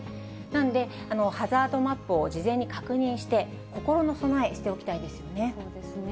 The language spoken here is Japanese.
なので、ハザードマップを事前に確認して、心の備え、しておきたいですよね。